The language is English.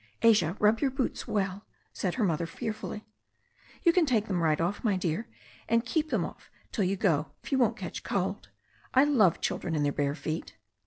"Asia, rub your boots well," said her mother fearfully. "You can take them right off, my dear, and keep them off till you go, if you won't catch cold. I love children in their bare feet."